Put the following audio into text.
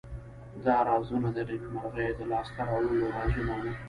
دا رازونه د نیکمرغیو د لاس ته راوړلو رازونه وو.